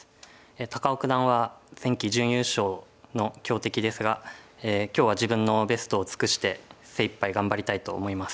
高尾九段は前期準優勝の強敵ですが今日は自分のベストを尽くして精いっぱい頑張りたいと思います。